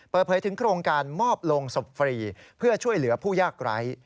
เปิดเผยถึงโครงการมอบลงศพฟรี